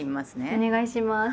お願いします。